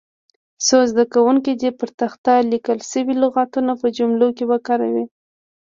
څو زده کوونکي دې پر تخته لیکل شوي لغتونه په جملو کې وکاروي.